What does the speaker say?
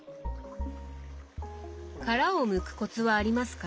殻をむくコツはありますか？